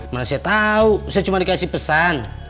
malah saya tahu saya cuma dikasih pesan